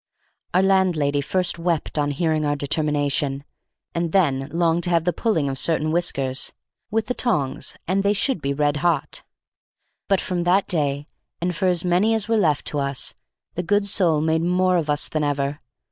Our landlady first wept on hearing our determination, and then longed to have the pulling of certain whiskers (with the tongs, and they should be red hot); but from that day, and for as many as were left to us, the good soul made more of us than ever.